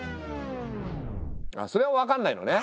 それは分かんないのね。